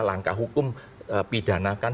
langkah hukum pidanakan